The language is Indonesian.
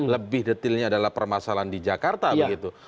lebih detailnya adalah permasalahan di jakarta begitu